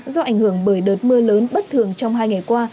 do ảnh hưởng bởi đợt mưa lớn bất thường trong hai ngày qua